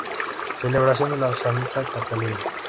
Celebración de La Santa Catalina.